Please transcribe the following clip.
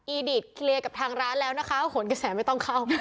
ิตเคลียร์กับทางร้านแล้วนะคะโหนกระแสไม่ต้องเข้า